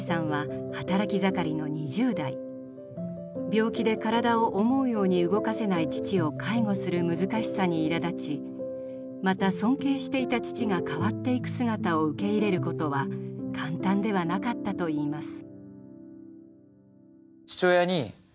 病気で体を思うように動かせない父を介護する難しさにいらだちまた尊敬していた父が変わっていく姿を受け入れることは簡単ではなかったと言います。